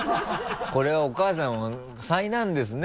これはお母さんも災難ですね